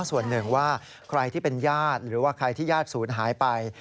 ส่วนหนึ่งว่าใครที่เป็นญาติหรือว่าใครที่ญาติศูนย์หายไป